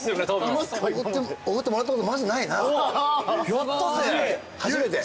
やったぜ。